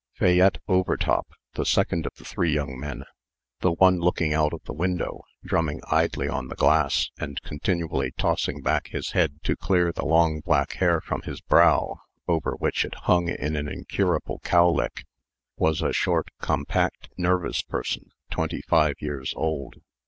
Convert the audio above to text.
Fayette Overtop, the second of the three young men the one looking out of the window, drumming idly on the glass, and continually tossing back his head to clear the long black hair from his brow, over which it hung in an incurable cowlick was a short, compact, nervous person, twenty five years old.